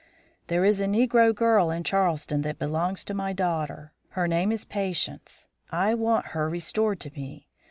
There is a negro girl in Charleston that belongs to my daughter her name is Patience. I want her restored to me.